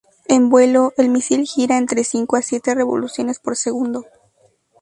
En vuelo, el misil gira entre cinco a siete revoluciones por segundo.